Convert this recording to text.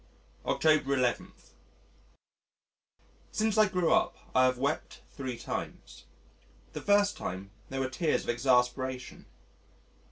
October 11. Since I grew up I have wept three times. The first time they were tears of exasperation.